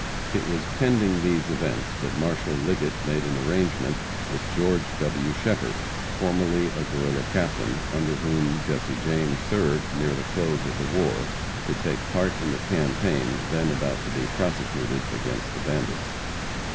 It was pending these events that Marshal Liggett made an arrangement with George W. Shepherd, formerly a Guerrilla captain, under whom Jesse James served near the close of the war, to take part in the campaign, then about to be prosecuted against the bandits.